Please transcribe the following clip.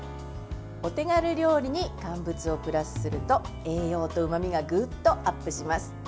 お手軽料理に乾物をプラスすると栄養とうまみがぐっとアップします。